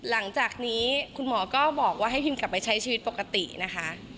หลังจากนี้คุณหมอก็บอกว่าให้พิมกลับไปใช้ชีวิตปกตินะคะ